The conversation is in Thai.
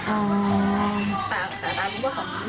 แต่ตายรู้ว่าเขามี